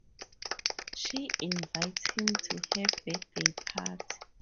She invites him to her birthday party.